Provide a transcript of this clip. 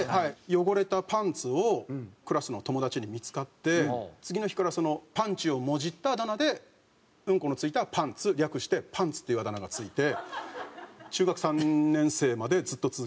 汚れたパンツをクラスの友達に見付かって次の日からその「パンチ」をもじったあだ名で「ウンコの付いたパンツ」略して「パンツ」っていうあだ名が付いて中学３年生までずっと続きましたね。